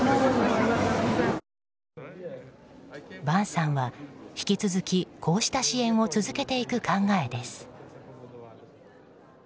坂さんは引き続きこうした支援を続けていく考えです。